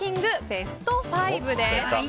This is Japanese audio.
ベスト５です。